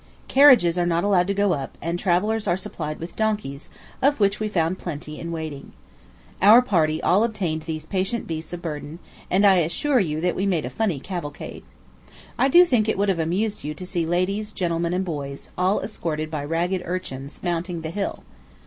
Carriages are not allowed to go up, and travellers are supplied with donkeys, of which we found plenty in waiting. Our party all obtained these patient beasts of burden, and I assure you that we made a funny cavalcade. I do think it would have amused you to see ladies, gentlemen, and boys, all escorted by ragged urchins, mounting the hill.